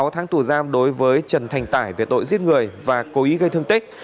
sáu tháng tù giam đối với trần thành tải về tội giết người và cố ý gây thương tích